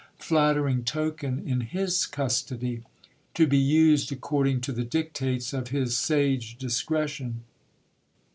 flattering token in his custody, to be used according to the dictates of his sage discretion.